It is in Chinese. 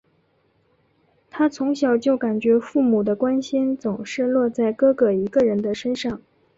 她从小就感觉父母的关心总是落在哥哥一个人的身上。